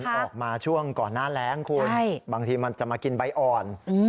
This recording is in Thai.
มันออกมาช่วงก่อนหน้าแรงคุณบางทีมันจะมากินใบอ่อน